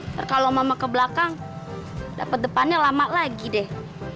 ntar kalau mama ke belakang dapat depannya lama lagi deh